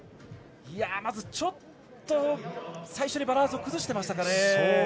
まず、ちょっと最初にバランスを崩していましたかね。